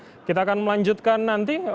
oke kita akan melanjutkan nanti